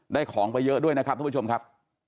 ได้ของไปเยอะด้วยนะครับทุกผู้ชมครับ